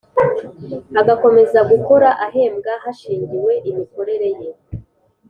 agakomeza gukora ahembwa hashingiwe imikorere ye